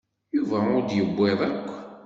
Yuba ur d-yewwiḍ akk.